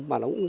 mà nó cũng